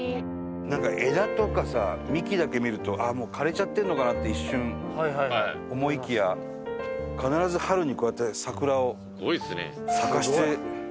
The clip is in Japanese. なんか枝とかさ幹だけ見るともう枯れちゃってるのかなって一瞬思いきや必ず春にこうやって桜を咲かせて。